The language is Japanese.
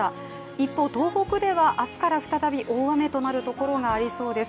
一方、東北では、明日から再び大雨となるところがありそうです。